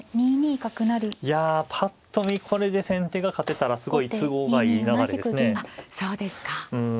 いやぱっと見これで先手が勝てたらすごい都合がいい流れですね。